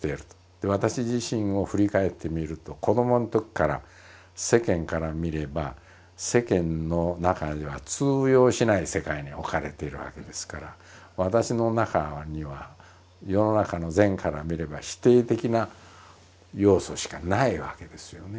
私自身を振り返ってみると子どものときから世間から見れば世間の中では通用しない世界に置かれているわけですから私の中には世の中の善から見れば否定的な要素しかないわけですよね。